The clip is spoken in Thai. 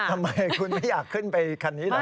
ทำไมคุณไม่อยากขึ้นไปคันนี้เหรอ